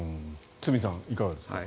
堤さんいかがですか。